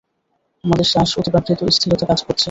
আমাদের শ্বাসে অতিপ্রাকৃত স্থিরতা কাজ করছে।